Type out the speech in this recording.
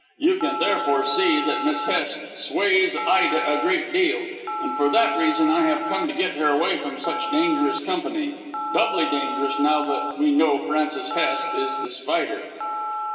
You can therefore see that Miss Hest sways Ida a great deal, and for that reason I have come to get her away from such dangerous company doubly dangerous now that we know Francis Hest is The Spider."